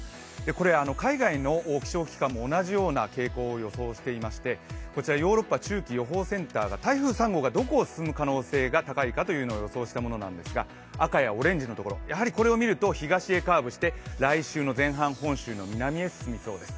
これ、海外の気象機関も同じような傾向を予想していましてこちら、ヨーロッパ中期予報センターが台風３号がどこを進む可能性が高いかというのを予想したものなのですが、赤やオレンジのところ、やはりこれを見ると東へカーブして来週の前半、本州の南へ進みそうです。